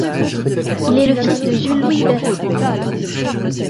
Il est le fils de Jules-Louis Verrey.